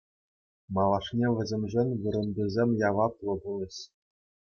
Малашне вӗсемшӗн вырӑнтисем яваплӑ пулӗҫ.